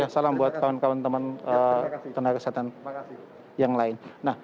salam buat kawan kawan teman tenaga kesehatan yang lain